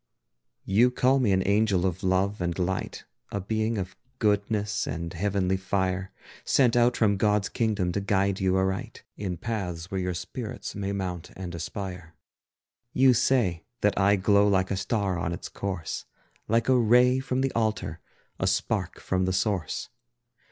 You call me an angel of love and of light, A being of goodness and heavenly fire, Sent out from God's kingdom to guide you aright, In paths where your spirits may mount and aspire. You say that I glow like a star on its course, Like a ray from the altar, a spark from the source.